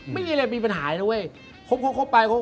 ไม่มีอะไรมีปัญหาแล้ว